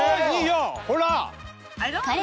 ほら。